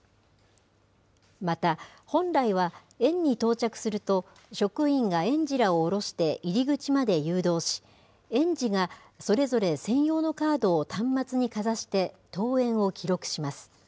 また本来は園に到着すると、職員が園児らを降ろして、入り口まで誘導し、園児がそれぞれ専用のカードを端末にかざして登園を記録します。